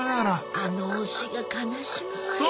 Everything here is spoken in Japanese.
あの推しが悲しむわよ。